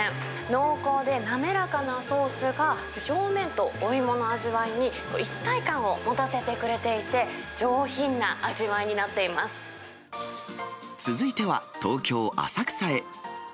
濃厚で、滑らかなソースが表面とお芋の味わいに一体感を持たせてくれてい続いては東京・浅草へ。